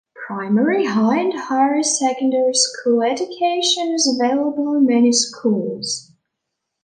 Primary, High and Higher Secondary School Education is available in many schools.